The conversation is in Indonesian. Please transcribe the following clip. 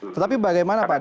tetapi bagaimana pak